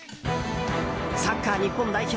サッカー日本代表